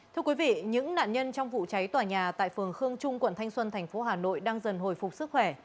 thưa quý vị những nạn nhân trong vụ cháy tòa nhà tại phường khương trung quận thanh xuân thành phố hà nội đang dần hồi phục sức khỏe